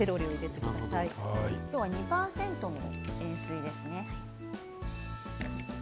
今日は２％の塩水ですね。